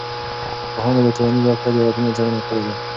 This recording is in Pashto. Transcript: پوهانو د ټولنیز واقعیت د علتونو څېړنه کړې ده.